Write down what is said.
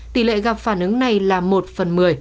tỷ lệ gặp phản ứng này là một phần một mươi